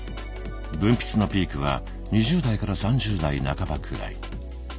分泌のピークは２０代から３０代半ばくらい。